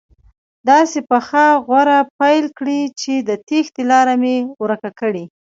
داسې پخه غوره پیل کړي چې د تېښتې لاره مې ورکه کړي.